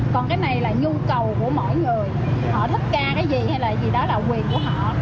còn cái này là nhu cầu của mỗi người họ thích ca cái gì hay là gì đó là quyền của họ